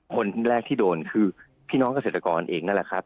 คนแรกที่โดนคือพี่น้องเกษตรกรเองนั่นแหละครับ